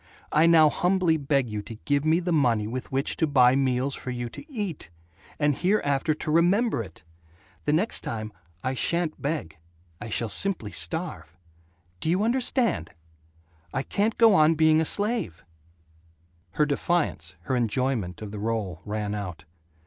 I now humbly beg you to give me the money with which to buy meals for you to eat. And hereafter to remember it. The next time, I sha'n't beg. I shall simply starve. Do you understand? I can't go on being a slave " Her defiance, her enjoyment of the role, ran out.